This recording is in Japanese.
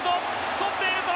とっているぞ！